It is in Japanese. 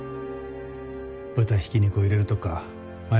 豚ひき肉を入れるとかマヨネーズとか。